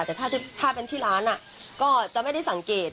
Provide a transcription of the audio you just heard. แต่ถ้าเป็นที่ร้านก็จะไม่ได้สังเกต